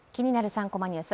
３コマニュース」